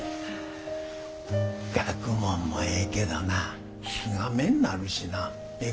学問もええけどなすがめになるしなええ